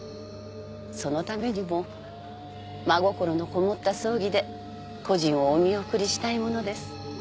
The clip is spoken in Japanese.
そのためにも真心のこもった葬儀で故人をお見送りしたいものです。